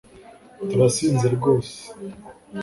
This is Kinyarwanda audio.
Turasinze rwose